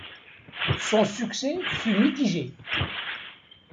Son succès fut mitigé.